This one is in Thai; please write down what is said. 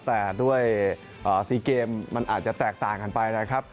แต่ด้วย๔เกมมันอาจจะแตกต่างกันไปนะครับ